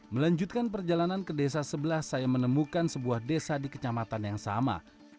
melanjutkan perjalanan ke desa sebelah saya menemukan sebuah desa di kecamatan yang sama